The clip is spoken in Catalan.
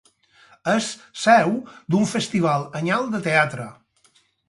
És seu d'un festival anyal de teatre.